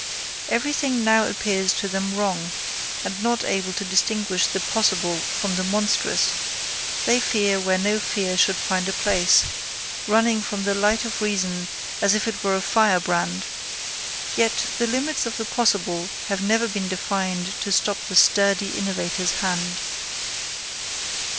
Every thing now appears to them wrong; and not able to distinguish the possible from the monstrous, they fear where no fear should find a place, running from the light of reason as if it were a firebrand; yet the limits of the possible have never been defined to stop the sturdy innovator's hand.